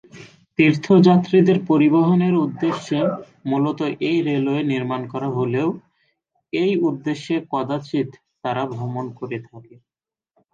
তীর্থযাত্রীদের পরিবহনের উদ্দেশ্যে মূলত এই রেলওয়ে নির্মাণ করা হলেও এই উদ্দেশ্যে কদাচিৎ তারা ভ্রমণ করে থাকে।